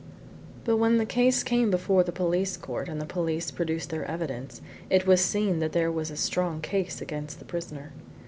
But when the case came before the police court and the police produced their evidence, it was seen that there was a strong case against the prisoner.